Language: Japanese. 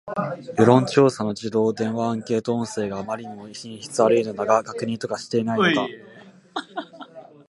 世論調査の自動電話アンケート音声があまりにも品質悪いのだが、確認とかしていないのか